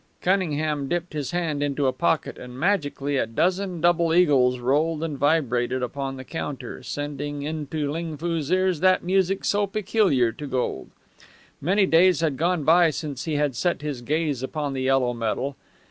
Cunningham dipped his hand into a pocket, and magically a dozen double eagles rolled and vibrated upon the counter, sending into Ling Foo's ears that music so peculiar to gold. Many days had gone by since he had set his gaze upon the yellow metal.